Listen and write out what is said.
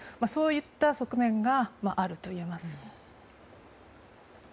そういった側面があるといえます。